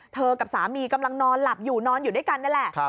กับสามีกำลังนอนหลับอยู่นอนอยู่ด้วยกันนั่นแหละ